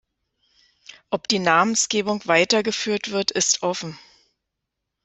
Ob die Namensgebung weitergeführt wird, ist offen.